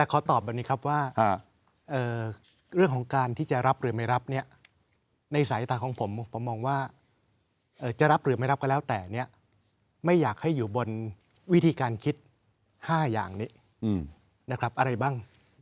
ขอตอบแบบนี้ครับว่าเรื่องของการที่จะรับหรือไม่รับเนี่ยในสายตาของผมผมมองว่าจะรับหรือไม่รับก็แล้วแต่เนี่ยไม่อยากให้อยู่บนวิธีการคิด๕อย่างนี้นะครับอะไรบ้าง